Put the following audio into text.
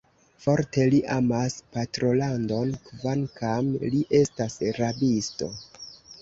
Forte li amas patrolandon, kvankam li estas rabisto.